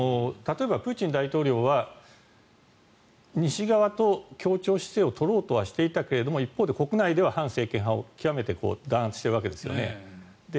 例えばプーチン大統領は西側と協調姿勢を取ろうとはしていたけど一方で国内では反政権派を極めて弾圧しているわけですね。